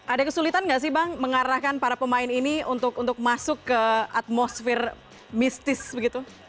ada kesulitan nggak sih bang mengarahkan para pemain ini untuk masuk ke atmosfer mistis begitu